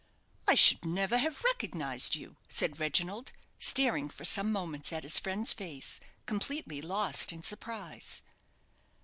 "I should never have recognized you," said Reginald, staring for some moments at his friend's face, completely lost in surprise.